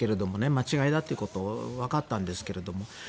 間違いだということが分かったんですけれども。